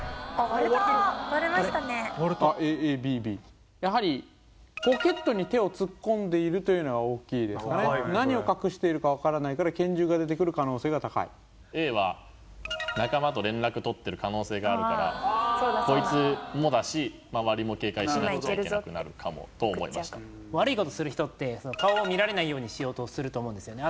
割れたやはりポケットに手を突っ込んでいるというのが大きいですかね何を隠しているかわからないから拳銃が出てくる可能性が高いＡは仲間と連絡とってる可能性があるからこいつもだし周りも警戒しなきゃいけなくなるかもと思いました悪いことする人って顔を見られないようにしようとすると思うんですよね